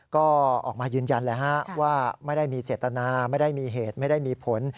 ก็ออกมายืนยันเลยฮะว่าไม่ได้มีเจตนาไม่ได้มีเหตุไม่ได้มีผล